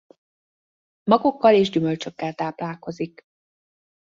Magokkal és gyümölcsökkel táplálkozik.